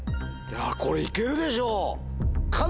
これいけるでしょう。